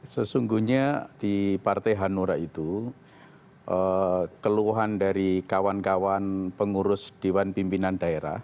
sesungguhnya di partai hanura itu keluhan dari kawan kawan pengurus dewan pimpinan daerah